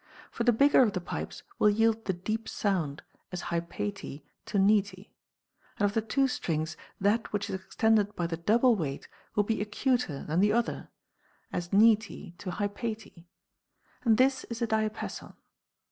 For the bigger of the pipes will yield the deep sound, as by pate to nete ; and of the two strings, that which is extended by the double weight will be acuter than the other, as nete to by pate ; and this is a diapason.